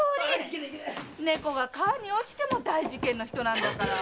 ネコが川に落ちても大事件なんだから。